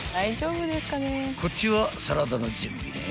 ［こっちはサラダの準備ね］